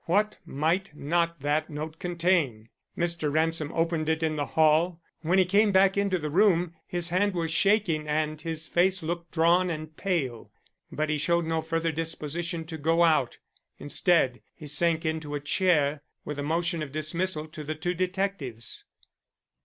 What might not that note contain! Mr. Ransom opened it in the hall. When he came back into the room, his hand was shaking and his face looked drawn and pale. But he showed no further disposition to go out. Instead, he sank into a chair, with a motion of dismissal to the two detectives.